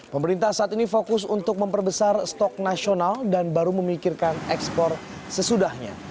pemerintah saat ini fokus untuk memperbesar stok nasional dan baru memikirkan ekspor sesudahnya